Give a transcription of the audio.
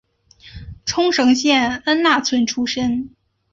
冲绳县恩纳村出身。